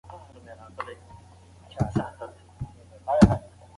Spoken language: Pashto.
انا په بيړه سلام وگرځاوه.